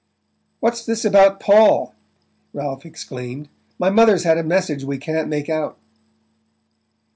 "What's this about Paul?" Ralph exclaimed. "My mother's had a message we can't make out."